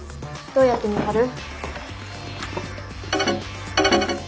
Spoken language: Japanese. どうやって見張る？